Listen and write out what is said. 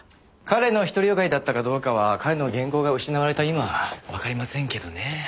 彼の独り善がりだったかどうかは彼の原稿が失われた今わかりませんけどね。